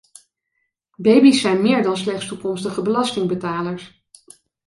Baby's zijn meer dan slechts toekomstige belastingbetalers.